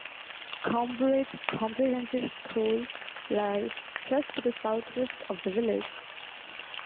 Cowbridge Comprehensive School lies just to the southwest of the village.